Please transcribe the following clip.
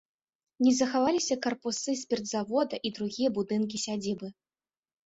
Не захаваліся карпусы спіртзавода і другія будынкі сядзібы.